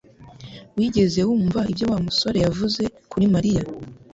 Wigeze wumva ibyo Wa musore yavuze kuri Mariya?